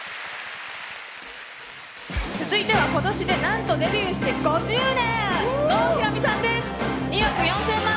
続いては、今年でなんとデビューしてＧＯ十年！